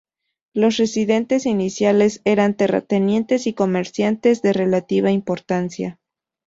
Los residentes iniciales eran terratenientes y comerciantes de relativa importancia.